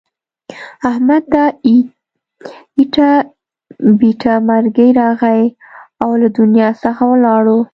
احمد ته ایټه بیټه مرگی راغی او له دنیا څخه ولاړو.